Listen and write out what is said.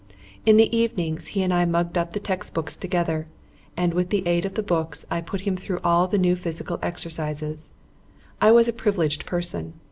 In the evenings he and I mugged up the text books together; and with the aid of the books I put him through all the new physical exercises. I was a privileged person.